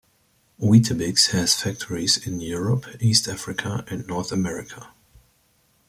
Weetabix has factories in Europe, East Africa and North America.